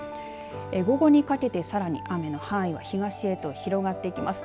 午後にかけてさらに雨の範囲は東へと広がっていきます。